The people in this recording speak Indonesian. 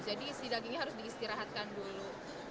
jadi si dagingnya harus diistirahatkan dulu